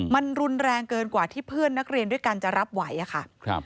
มันรุนแรงเกินกว่าที่เพื่อนนักเรียนด้วยกันจะรับไหวอะค่ะ